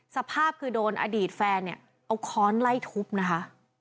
สภาพคือโดนอดีตแฟนเนี่ยเอาค้อนไล่ทุบนะคะ